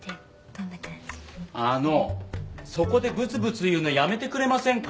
あのそこでブツブツ言うのやめてくれませんか。